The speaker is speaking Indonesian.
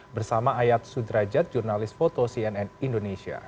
bersama ayat sudrajat jurnalis foto cnn indonesia